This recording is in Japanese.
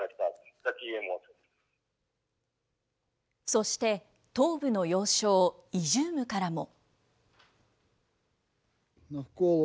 そして東部の要衝、イジュームからも。